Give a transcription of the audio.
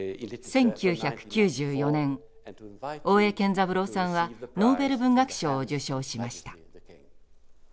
１９９４年大江健三郎さんはノーベル文学賞を受賞しました。